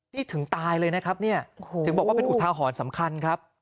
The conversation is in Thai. นี่ถึงตายเลยนะครับเนี่ยถึงบอกว่าเป็นอุทาหรณ์สำคัญครับ